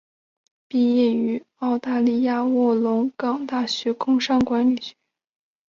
毕业于澳大利亚卧龙岗大学工商管理学专业。